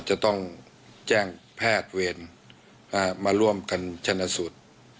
จะต้องแจ้งแพทย์เวรมาร่วมกันชนะสูตร